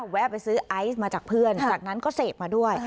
แวะไปซื้อไอซ์มาจากเพื่อนจากนั้นก็เสพมาด้วย